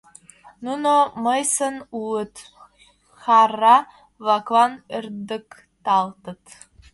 Нуно мыйсын улыт, хӓрра-влаклан ӧрдыкталтыт.